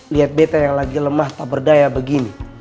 lihat beta yang lagi lemah tak berdaya begini